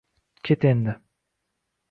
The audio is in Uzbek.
Ket endi